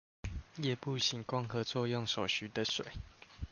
葉部行光合作用所需的水